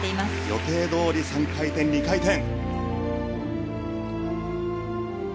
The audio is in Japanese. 予定どおり３回転、２回転。